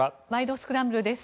スクランブル」です。